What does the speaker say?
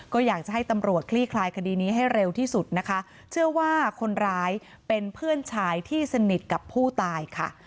ก็อยากจะให้ตำรวจคลี่คลายคดีนี้ให้เร็วที่สุดนะคะเชื่อว่าคนร้ายเป็นเพื่อนชายที่สนิทกับผู้ตายค่ะ